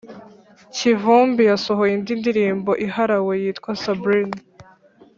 kivumbi yasohoye indi ndirimbo iharawe yitwa sabrina